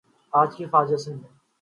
آج کی افواج اصل میں